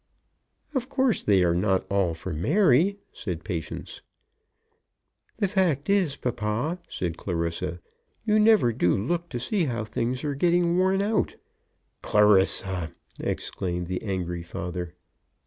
"Of course they are not all for Mary," said Patience. "The fact is, papa," said Clarissa, "you never do look to see how things are getting worn out." "Clarissa!" exclaimed the angry father.